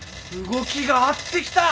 動きが合ってきた。